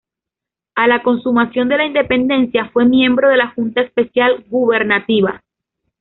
A la consumación de la independencia fue miembro de la Junta Especial Gubernativa.